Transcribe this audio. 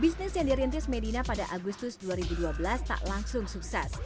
bisnis yang dirintis medina pada agustus dua ribu dua belas tak langsung sukses